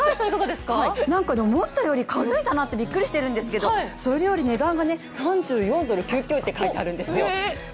思ったより軽いなってびっくりしてるんですけどそれより値段が、３４ドル９９って書いてあるんですよ。